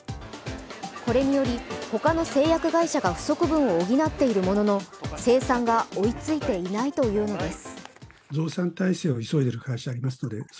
これにより他の製薬会社が不足分を補っているものの生産が追いついていないというのです。